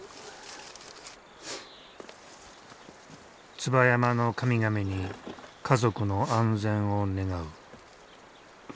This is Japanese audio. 椿山の神々に家族の安全を願う。